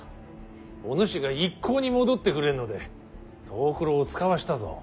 おぬしが一向に戻ってくれんので藤九郎を遣わしたぞ。